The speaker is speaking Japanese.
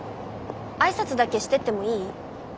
挨拶だけしてってもいい？